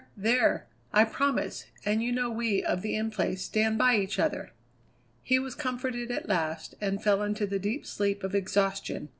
there! I promise; and you know we of the In Place stand by each other." He was comforted at last, and fell into the deep sleep of exhaustion.